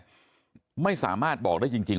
สวัสดีครับคุณผู้ชาย